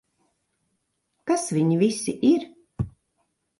Kas viņi visi ir?